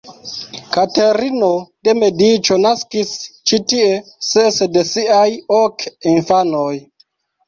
Katerino de Mediĉo naskis ĉi tie ses de siaj ok infanoj.